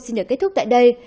xin được kết thúc tại đây